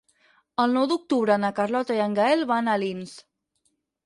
El nou d'octubre na Carlota i en Gaël van a Alins.